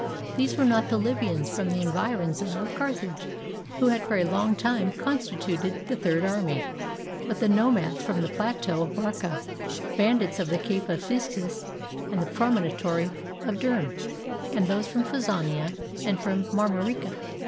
These were not the Libyans from the environs of Carthage, who had for a long time constituted the third army, but the Nomads from the plateau of Barca, ban dits of the Cape of Phiscusand the Promontory of Derne, and those from Phazania and from Marmarica.